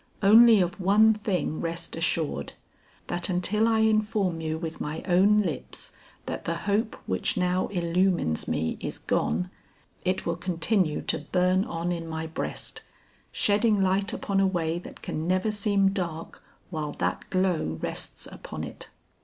Only of one thing rest assured, that until I inform you with my own lips that the hope which now illumines me is gone, it will continue to burn on in my breast, shedding light upon a way that can never seem dark while that glow rests upon it."